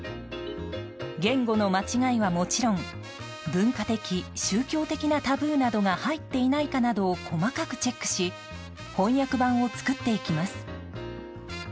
言語の間違いはもちろん文化的、宗教的なタブーが入っていないかなどを細かくチェックし翻訳版を作っていきます。